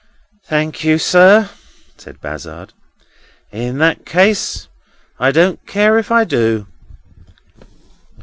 "Thank you, sir," said Bazzard; "in that case I don't care if I do."